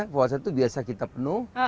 puasa itu biasa kita penuh